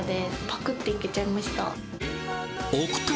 ぱくっといけちゃいました。